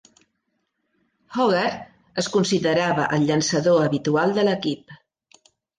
Hoggard es considerava el llançador habitual de l'equip.